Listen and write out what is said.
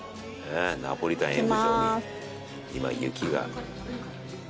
ナポリタン演舞場に今雪が。